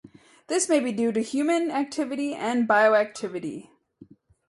This may be due to human activity and bioactivity.